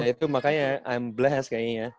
itu yang berganti kayaknya